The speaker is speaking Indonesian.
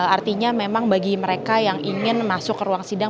artinya memang bagi mereka yang ingin masuk ke ruang sidang